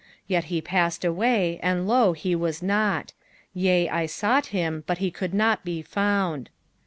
36 Yet he passed away, and, lo, he was not; yea, I sought him, but he could not be found.